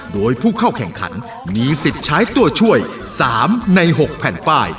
โดยผู้เข้าแข่งขันมีสิทธิ์ใช้ตัวช่วย๓ใน๖แผ่นป้าย